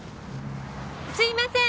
すいません